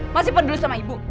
masih pendulur sama ibu